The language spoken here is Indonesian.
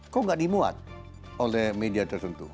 kok gak dimuat oleh media tertentu